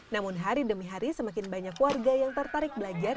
namun hari demi hari semakin banyak warga yang tertarik belajar